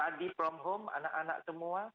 adik from home anak anak semua